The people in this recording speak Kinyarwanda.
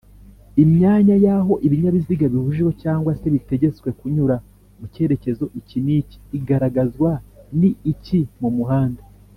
imyanya yaho Ibinyabiziga bibujijwe cg se bitegetswe kunyura mu cyerekezo iki n’iki igaragazwa ni iki mumuhanda